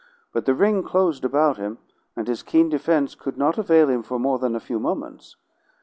But the ring closed about him, and his keen defense could not avail him for more than a few moments.